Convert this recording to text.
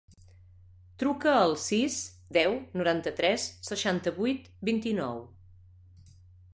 Truca al sis, deu, noranta-tres, seixanta-vuit, vint-i-nou.